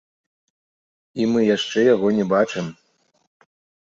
І мы яшчэ яго не бачым.